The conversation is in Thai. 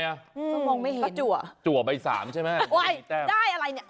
มันมองไม่เห็นจั๋วจั๋วใบสามใช่ไหมมันมีแป้มโอ้ยได้อะไรเนี่ย